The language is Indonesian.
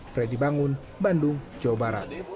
freddy bangun bandung jawa barat